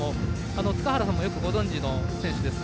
塚原さんもよくご存じの選手です。